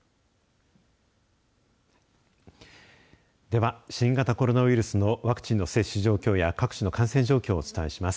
では、新型コロナウイルスのワクチンの接種状況や各地の感染状況をお伝えします。